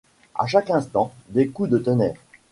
À chaque instant des coups de tonnerre.